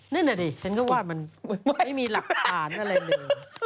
เงินหน่อยเลยก็ยันไม่มีหาการอะไรอยู่